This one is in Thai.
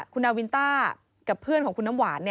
คุณนาวินต้ากับเพื่อนของคุณน้ำหวาน